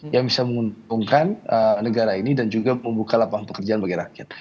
yang bisa menguntungkan negara ini dan juga membuka lapangan pekerjaan bagi rakyat